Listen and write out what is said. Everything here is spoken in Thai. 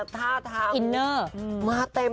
ท่าทางอินเนอร์